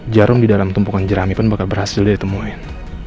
jarum di dalam tumpukan jerami pun bakal berhasil ditemukan